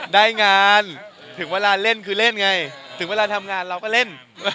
ได้งานถึงเวลาเล่นคือเล่นไงถึงเวลาทำงานเราก็เล่น